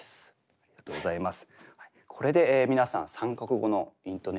ありがとうございます。